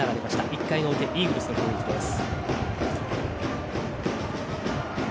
１回の表イーグルスの攻撃です。